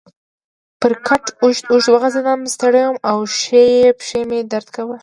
پر کټ اوږد اوږد وغځېدم، ستړی وم او ښۍ پښې مې درد کاوه.